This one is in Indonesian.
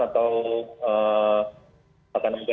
atau akan diberlakukan